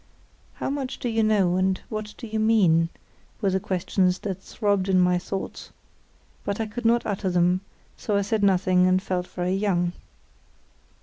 "How much do you know, and what do you mean?" were the questions that throbbed in my thoughts; but I could not utter them, so I said nothing and felt very young.